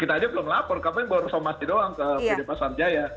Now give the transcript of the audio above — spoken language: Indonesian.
kita aja belum lapor kami baru somasi doang ke pd pasar jaya